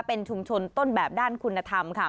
เป็นชุมชนต้นแบบด้านคุณธรรมค่ะ